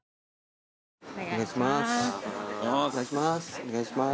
お願いします